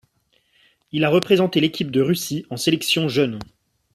Il a représenté l'équipe de Russie en sélections jeunes.